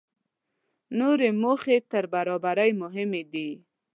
نورې موخې تر برابرۍ مهمې دي.